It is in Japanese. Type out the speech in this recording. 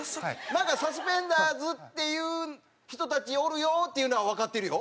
なんかサスペンダーズっていう人たちおるよっていうのはわかってるよ。